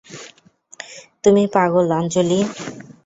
তুমি পাগল আঞ্জলি।